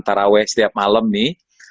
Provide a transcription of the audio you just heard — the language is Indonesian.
taraweh setiap malam nih